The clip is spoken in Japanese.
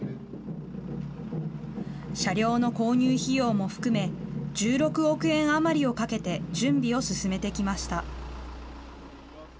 車両の購入費用も含め、１６億円余りをかけて、準備を進めてきました。